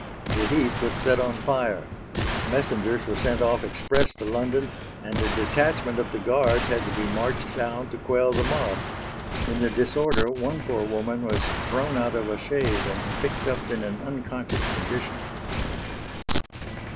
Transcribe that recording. The heath was set on fire. Messengers were sent off express to London, and a detachment of the guards had to be marched down to quell the mob. In the disorder one poor woman was thrown out of a chaise and picked up in an unconscious condition.